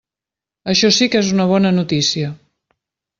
Això sí que és una bona notícia.